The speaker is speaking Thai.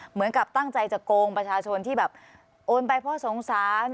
เหมือนกับตั้งใจจะโกงประชาชนที่แบบโอนไปเพราะสงสาร